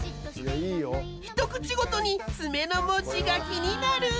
一口ごとに爪の文字が気になるぅ！